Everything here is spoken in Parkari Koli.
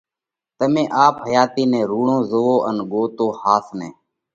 تمي آپرِي حياتِي نئہ رُوڙون زوئو ان ڳوتو ۿاس نئہ